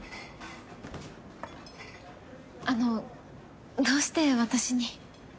あのどうして私に？